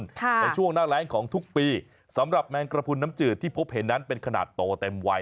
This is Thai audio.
ในช่วงหน้าแรงของทุกปีสำหรับแมงกระพุนน้ำจืดที่พบเห็นนั้นเป็นขนาดโตเต็มวัย